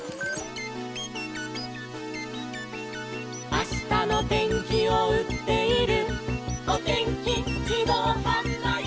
「あしたのてんきをうっているおてんきじどうはんばいき」